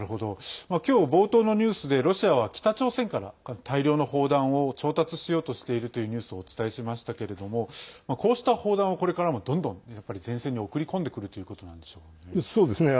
今日、冒頭のニュースでロシアは北朝鮮から大量の砲弾を調達しようとしているというニュースをお伝えしましたけれどもこうした砲弾をこれからもどんどん前線に送り込んでくるということなんでしょうかね。